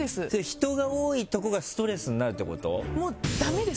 人が多いとこがストレスになるってこと？